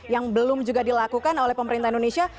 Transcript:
yang belum juga dilakukan oleh pemerintah indonesia